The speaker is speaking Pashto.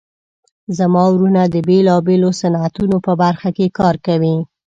زما وروڼه د بیلابیلو صنعتونو په برخه کې کار کوي